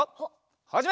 はじめ！